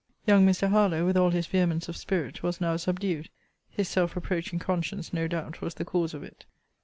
Young Mr. Harlowe, with all his vehemence of spirit, was now subdued. His self reproaching conscience, no doubt, was the cause of it.